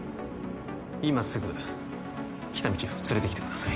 今すぐ喜多見チーフを連れてきてください